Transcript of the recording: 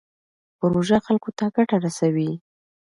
پروژه خلکو ته ګټه رسوي.